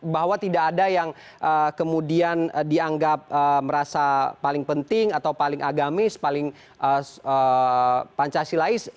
bahwa tidak ada yang kemudian dianggap merasa paling penting atau paling agamis paling pancasilais